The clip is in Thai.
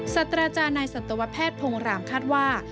สัตว์อาจารย์ในสัตวแพทย์พงรามคาดว่า